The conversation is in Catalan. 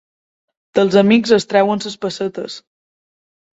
Dels amics es treuen les pessetes.